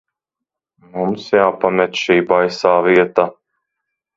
Mums jāpamet šī baisā vieta.